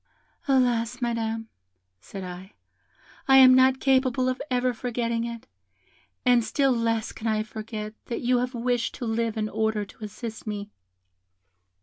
'Alas! Madam,' said I, 'I am not capable of ever forgetting it, and still less can I forget that you have wished to live in order to assist me.'